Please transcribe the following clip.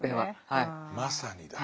まさにだ。